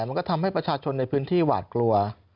มันก็ทำให้ประชาชนในพื้นที่หวาดกลัว